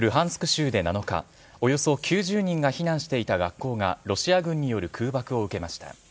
州で７日、およそ９０人が避難していた学校がロシア軍による空爆を受けました。